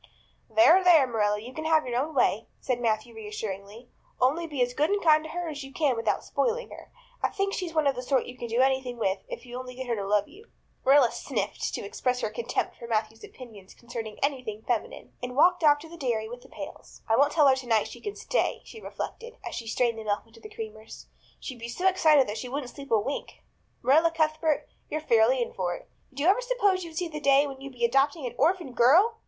"There, there, Marilla, you can have your own way," said Matthew reassuringly. "Only be as good and kind to her as you can without spoiling her. I kind of think she's one of the sort you can do anything with if you only get her to love you." Marilla sniffed, to express her contempt for Matthew's opinions concerning anything feminine, and walked off to the dairy with the pails. "I won't tell her tonight that she can stay," she reflected, as she strained the milk into the creamers. "She'd be so excited that she wouldn't sleep a wink. Marilla Cuthbert, you're fairly in for it. Did you ever suppose you'd see the day when you'd be adopting an orphan girl?